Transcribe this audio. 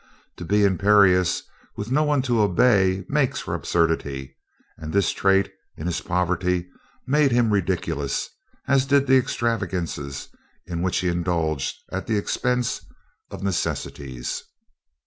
To be imperious with no one to obey makes for absurdity, and this trait, in his poverty, made him ridiculous, as did the extravagances in which he indulged at the expense of necessities.